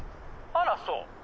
「あらそう？」。